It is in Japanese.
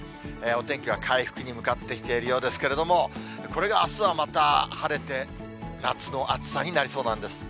お天気は回復に向かってきているようですけれども、これがあすはまた晴れて、夏の暑さになりそうなんです。